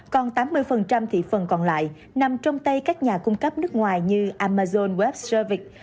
còn tám mươi thị phần còn lại nằm trong tay các nhà cung cấp nước ngoài như amazon west service